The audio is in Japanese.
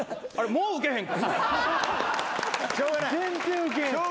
もうウケへん？